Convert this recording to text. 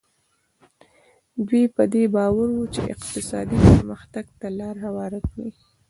دوی په دې باور وو چې اقتصادي پرمختګ ته لار هواره کړي.